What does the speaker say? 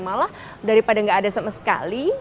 malah daripada nggak ada sama sekali